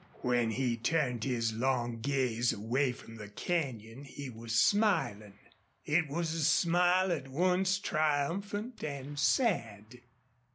When he turned his long gaze away from the canyon he was smiling. It was a smile at once triumphant and sad.